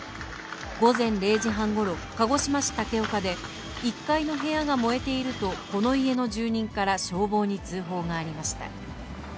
午前０時半ごろ、鹿児島市武岡で、１階の部屋が燃えているとこの家の住人から消防に通報がありました。